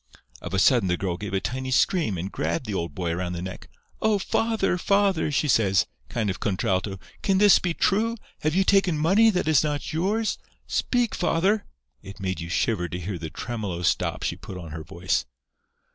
"Of a sudden the girl gave a tiny scream and grabbed the old boy around the neck. 'Oh, father, father!' she says, kind of contralto, 'can this be true? Have you taken money that is not yours? Speak, father!' It made you shiver to hear the tremolo stop she put on her voice.